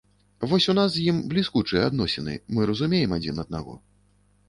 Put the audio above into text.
Вось у нас з ім бліскучыя адносіны, мы разумеем адзін аднаго.